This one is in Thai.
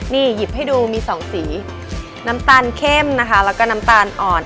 นี่หยิบให้ดูมีสองสีน้ำตาลเข้มนะคะแล้วก็น้ำตาลอ่อน